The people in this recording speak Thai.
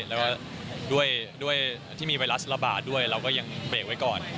แล้วก็ด้วยที่มีไวรัสระบาดด้วยเราก็ยังเบรกไว้ก่อน